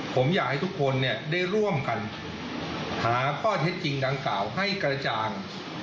ผมอยากให้ทุกคนได้ร่วมกันหาข้อเท็จจริงดังกล่าวให้กระจ่าง